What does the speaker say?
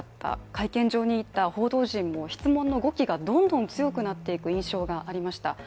会見場に行った報道陣も、質問の語気がどんどん強くなっていった印象がありました。